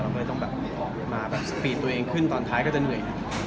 เลยต้องแบบออกมาแบบสปีดตัวเองขึ้นตอนท้ายก็จะเหนื่อย